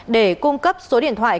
để cung cấp số điện thoại